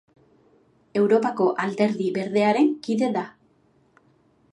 Europako Alderdi Berdearen kide da.